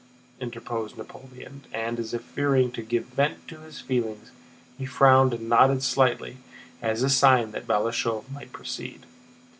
interposed Napoleon, and, as if fearing to give vent to his feelings, he frowned and nodded slightly as a sign that Balashëv might proceed.